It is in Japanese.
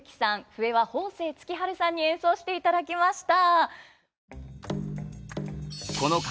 笛は鳳聲月晴さんに演奏していただきました。